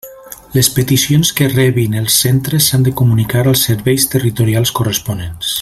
Les peticions que rebin els centres s'han de comunicar als serveis territorials corresponents.